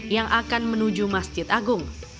yang akan menuju masjid agung